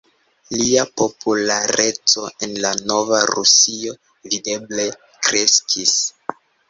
Lia populareco en la nova Rusio videble kreskis.